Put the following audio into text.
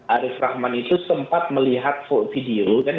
arief rahman itu sempat melihat video